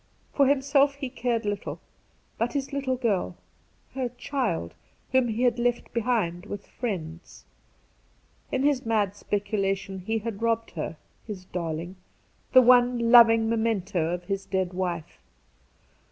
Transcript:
For himself he cared little, but his little girl — her child !— whom he had left behind with friends ! In his mad speculation he had robbed her — his darling, the one loving memento of his dead wife